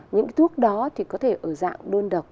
những thuốc đó thì có thể ở dạng đôn độc